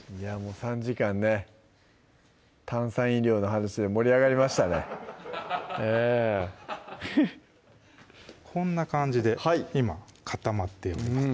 ３時間ね炭酸飲料の話で盛り上がりましたねええフフッこんな感じで今固まっております